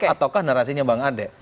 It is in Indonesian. ataukah narasinya bang ade